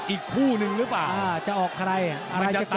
อีกคู่นึงหรือเปล่าจะออกใครอะไรจะตาม